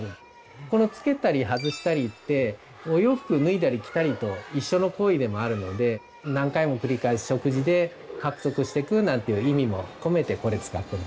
このつけたり外したりってお洋服を脱いだり着たりと一緒の行為でもあるので何回も繰り返す食事で獲得していくなんていう意味も込めてこれ使ってます。